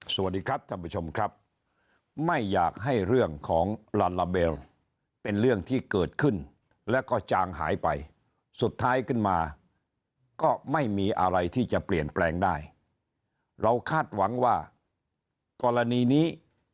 สวัสดีครับท่านผู้ชมครับไม่อยากให้เรื่องของลาลาเบลเป็นเรื่องที่เกิดขึ้นแล้วก็จางหายไปสุดท้ายขึ้นมาก็ไม่มีอะไรที่จะเปลี่ยนแปลงได้เราคาดหวังว่ากรณีนี้